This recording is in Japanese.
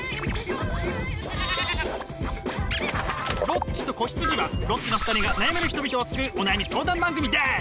「ロッチと子羊」はロッチの２人が悩める人々を救うお悩み相談番組です！